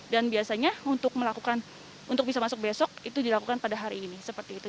dan biasanya untuk bisa masuk besok itu dilakukan pada hari ini seperti itu